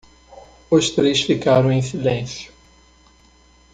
Os três ficaram em silêncio.